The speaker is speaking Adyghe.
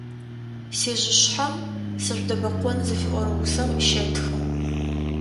«Сижъышъхьэм сыжъудэбэкъон» зыфиӏорэ усэм щетхы.